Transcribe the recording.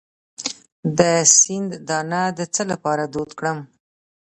د سپند دانه د څه لپاره دود کړم؟